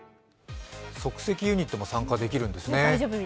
即席ユニットも参加できるんですね。